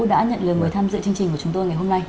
đã nhận lời mời tham dự chương trình của chúng tôi ngày hôm nay